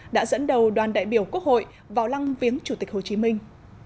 đã dẫn đầu đoàn đại biểu quốc hội vào lăng viếng chủ tịch hồ chí minh